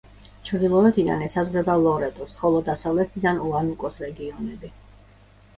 ჩრდილოეთიდან ესაზღვრება ლორეტოს, ხოლო დასავლეთიდან უანუკოს რეგიონები.